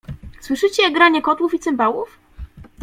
"Słyszycie granie kotłów i cymbałów?"